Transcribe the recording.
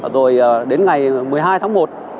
rồi đến ngày một mươi hai tháng một